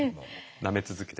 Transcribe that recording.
なめ続けて。